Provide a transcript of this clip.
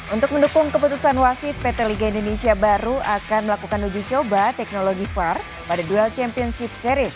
untuk mendukung keputusan wasit pt liga indonesia baru akan melakukan uji coba teknologi var pada duel championship series